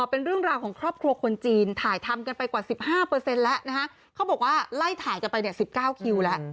เป็นเรื่องราวของครอบครัวคนจีนถ่ายทำกันไปกว่า๑๕แล้วนะฮะเขาบอกว่าไล่ถ่ายกันไปเนี่ย๑๙คิวแล้ว